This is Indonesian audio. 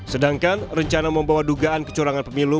sedangkan rencana membawa dugaan kecurangan pemilu